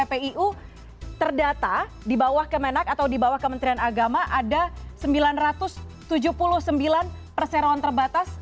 kpiu terdata di bawah kemenak atau di bawah kementerian agama ada sembilan ratus tujuh puluh sembilan perseroan terbatas